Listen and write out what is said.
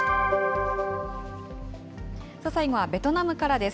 最後はベトナムからです。